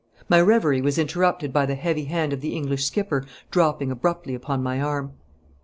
My reverie was interrupted by the heavy hand of the English skipper dropping abruptly upon my arm.